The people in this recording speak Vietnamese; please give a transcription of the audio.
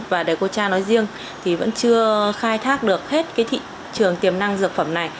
và đề cô cha nói riêng thì vẫn chưa khai thác được hết thị trường tiềm năng dược phẩm này